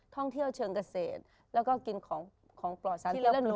ของหนูอยากรับสิ่งอย่างเลย